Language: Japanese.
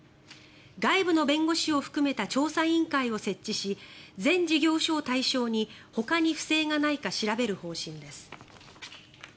外部の弁護士を含めた調査委員会を設置し全事業所を対象に、ほかに不正がないか調べる方針です。